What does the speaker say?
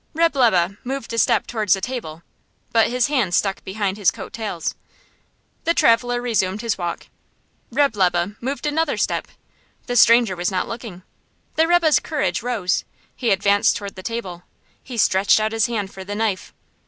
Reb' Lebe moved a step towards the table, but his hands stuck behind his coat tails. The traveller resumed his walk. Reb' Lebe moved another step. The stranger was not looking. The rebbe's courage rose, he advanced towards the table; he stretched out his hand for the knife.